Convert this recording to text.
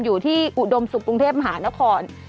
อยู่ที่อุดมสุขกรุงเทพหานคร